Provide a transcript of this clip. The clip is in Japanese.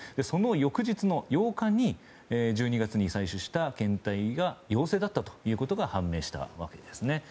その翌日の８日に１２月に採取した検体が陽性だったということが判明したわけです。